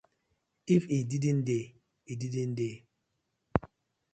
If e didnʼt dey, e didnʼt dey.